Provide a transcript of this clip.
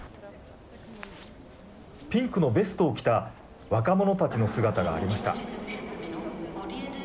ピンクのベストを着た若者たちの姿がありました。